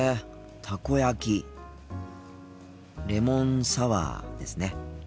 たこ焼きレモンサワーですね。